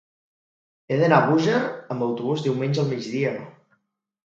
He d'anar a Búger amb autobús diumenge al migdia.